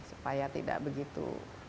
supaya tidak begitu